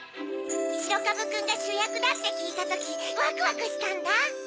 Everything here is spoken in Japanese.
しろかぶくんがしゅやくだってきいたときワクワクしたんだ。